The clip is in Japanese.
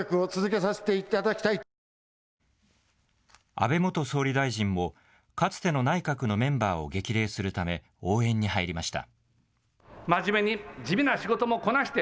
安倍元総理大臣もかつての内閣のメンバーを激励するため、応援に入りました。